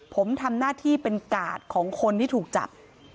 ผมทำหน้าที่เป็นกาดของคนที่ถูกจับ